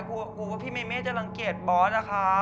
กลัวว่าพี่เม่เม่จะรางเกียจ